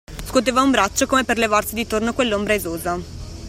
Scuoteva un braccio come per levarsi di torno quell'ombra esosa